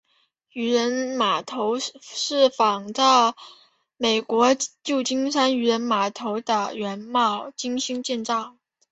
渔人码头是仿照美国旧金山渔人码头的原貌精心建造的。